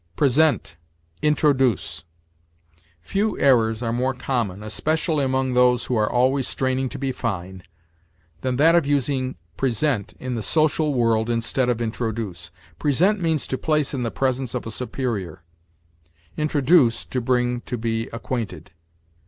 PRESENT INTRODUCE. Few errors are more common, especially among those who are always straining to be fine, than that of using present, in the social world, instead of introduce. Present means to place in the presence of a superior; introduce, to bring to be acquainted.